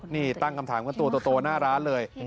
นี่ตั้งคำถามกันตัวหน้าร้านเลย